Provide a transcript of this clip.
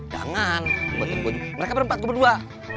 jangan mereka berempat ke berdua